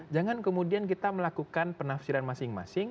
jangan kemudian kita melakukan penafsiran masing masing